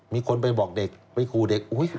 มีคนไปบอกเด็กไปขู่เด็ก